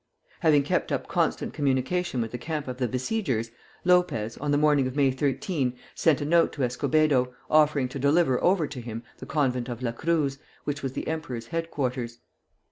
Having kept up constant communication with the camp of the besiegers, Lopez, on the morning of May 13, sent a note to Escobedo, offering to deliver over to him the convent of La Cruz, which was the emperor's headquarters.